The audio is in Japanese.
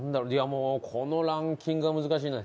もうこのランキングは難しいな。